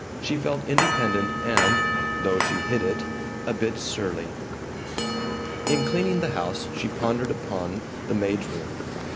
She felt independent and (though she hid it) a bit surly. In cleaning the house she pondered upon the maid's room.